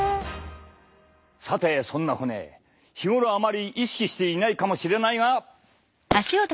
さてそんな骨日頃あまり意識していないかもしれないが。